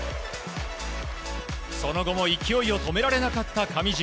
その後も勢いを止められなかった上地。